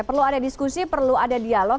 perlu ada diskusi perlu ada dialog